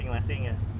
enggak kan sudah punya